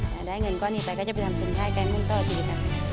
ถ้าได้เงินก่อนนี้ไปก็จะไปทำสินค่ายแก้มุ่นตลอดดีครับ